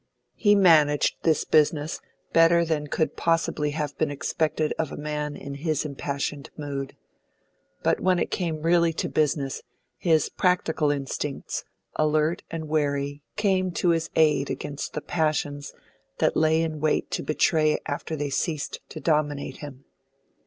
He managed this business better than could possibly have been expected of a man in his impassioned mood. But when it came really to business, his practical instincts, alert and wary, came to his aid against the passions that lay in wait to betray after they ceased to dominate him.